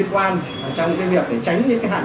tuyến tàu điện ngầm hai